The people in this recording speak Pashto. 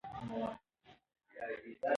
عمر او جنسیت باید په فروفیل کې سم وټاکل شي.